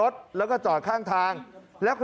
ทำไมคงคืนเขาว่าทำไมคงคืนเขาว่า